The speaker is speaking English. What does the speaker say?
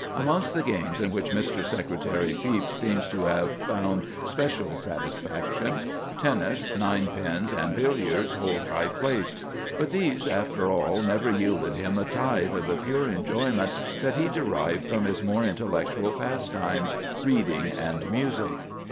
Amongst the games in which Mr. Secretary Pepys seems to have found special satisfaction, tennis, ninepins, and billiards hold high place; but these, after all, never yielded him a tithe of the pure enjoyment that he derived from his more intellectual pastimes, reading and music.